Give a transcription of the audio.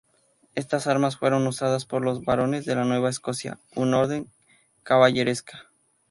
Estas armas fueron usadas por los Barones de la Nueva Escocia, una orden caballeresca.